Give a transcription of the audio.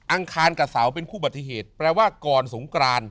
อังคารกับเสาเป็นคู่บัติเหตุแปลว่าก่อนสงกราน